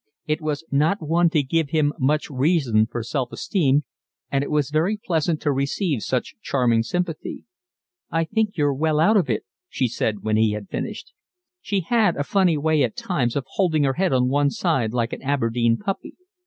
It was not one to give him much reason for self esteem, and it was very pleasant to receive such charming sympathy. "I think you're well out of it," she said, when he had finished. She had a funny way at times of holding her head on one side like an Aberdeen puppy.